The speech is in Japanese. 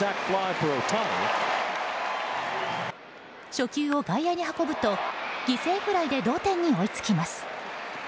初球を外野に運ぶと犠牲フライで同点に追いつきます。